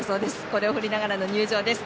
これを振りながらの入場です。